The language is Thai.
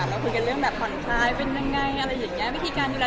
เราคุยกันเรื่องแบบหวั่นคล้ายเป็นยังไงวิธีการยูแลตัวเองอะไรอย่างนี้ค่ะ